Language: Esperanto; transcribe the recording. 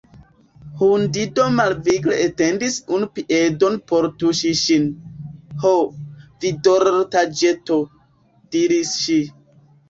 Hundido malvigle etendis unu piedon por tuŝi ŝin. "Ho, vi dorlotaĵeto," diris ŝi.